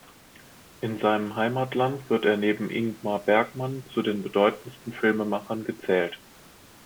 In seinem Heimatland wird er neben Ingmar Bergman zu den bedeutendsten Filmemachern gezählt.